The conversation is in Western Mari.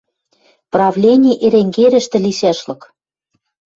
Правлени Эренгерӹштӹ лишӓшлык.